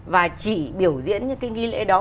và chỉ biểu diễn những cái nghi lễ đó